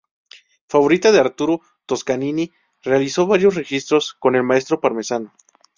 Favorita de Arturo Toscanini, realizó varios registros con el maestro parmesano.